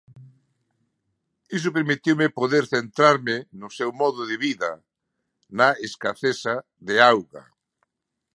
Iso permitiume poder centrarme no seu modo de vida, na escaseza de auga.